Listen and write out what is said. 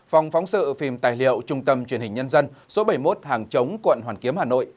phòng phóng sự phim tài liệu trung tâm truyền hình nhân dân số bảy mươi một hàng chống quận hoàn kiếm hà nội